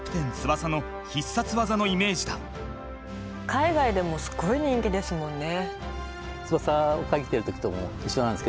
海外でもすごい人気ですもんね。